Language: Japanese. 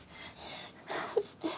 どうして。